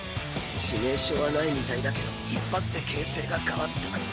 致命傷はないみたいだけど一発で形勢が変わった。